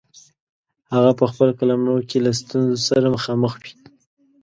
هغه په خپل قلمرو کې له ستونزو سره مخامخ وي.